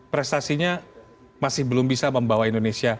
prestasinya masih belum bisa membawa indonesia